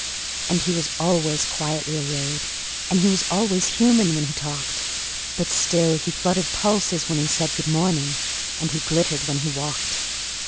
And he was always quietly arrayed, And he was always human when he talked; But still he fluttered pulses when he said, "Good morning," and he glittered when he walked.